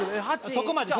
そこまで。